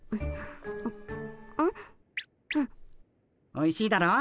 おいしいだろう？